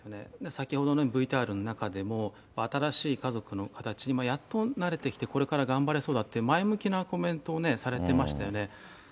先ほどね、ＶＴＲの中でも新しい家族の形にやっと慣れてきて、これから頑張れそうだって、前向きなコメントをされてましたよね。